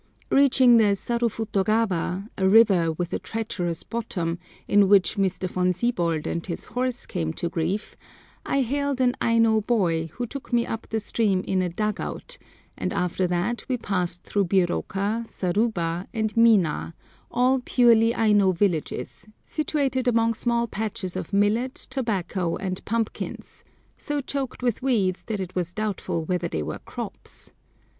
Reaching the Sarufutogawa, a river with a treacherous bottom, in which Mr. Von Siebold and his horse came to grief, I hailed an Aino boy, who took me up the stream in a "dug out," and after that we passed through Biroka, Saruba, and Mina, all purely Aino villages, situated among small patches of millet, tobacco, and pumpkins, so choked with weeds that it was doubtful whether they were crops.